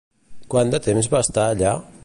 Quant de temps va estar allà?